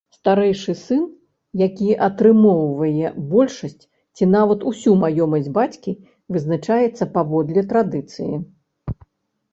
Старэйшы сын, які атрымоўвае большасць ці нават усю маёмасць бацькі, вызначаецца паводле традыцыі.